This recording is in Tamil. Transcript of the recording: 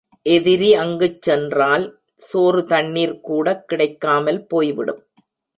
எதிரி அங்குச் சென்றால் சோறு தண்ணிர் கூடக் கிடைக்காமல் போய்விடும்.